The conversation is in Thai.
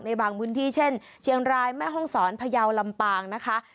ในบางพื้นที่เช่นเชียงรายแม่ห้องศรพยาวลำปางนะคะ